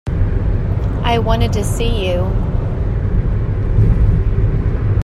I wanted to see you.